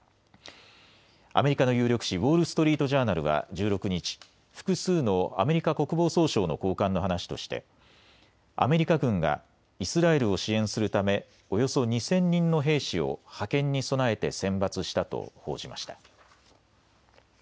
アメリカの有力紙、ウォール・ストリート・ジャーナルは１６日、複数のアメリカ国防総省の高官の話としてアメリカ軍がイスラエルを支援するためおよそ２０００人の兵士を派遣に備えて選抜したと報じました。